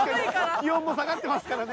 気温も下がってますからね。